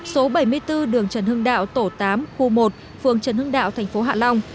số bảy mươi bốn đường trần hưng đạo tổ tám khu một phường trần hưng đạo tp hạ long